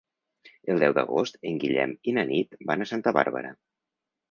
El deu d'agost en Guillem i na Nit van a Santa Bàrbara.